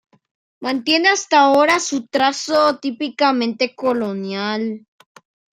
Mantiene hasta ahora su trazo típicamente colonial.